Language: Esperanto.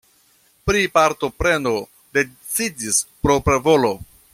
Pri partopreno decidis propra volo.